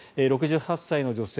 ６８歳の女性